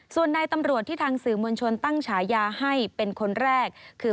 ส่วนในตำรวจที่ทางสื่อมวลชนตั้งฉายาให้เป็นคนแรกคือ